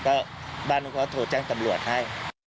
ก็บ้านเขาโทรแจ้งตำรวจให้